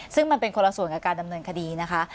ซึ่งมันเป็นคนละส่วนกับการดำเนินคดีนะคะ